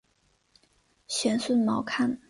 玄孙毛堪。